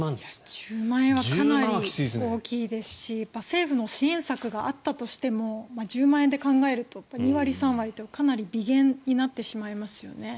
１０万円はかなり大きいですし政府の支援策があったとしても１０万円と考えると２割３割って、かなり微減になってしまいますよね。